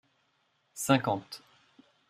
cinquante.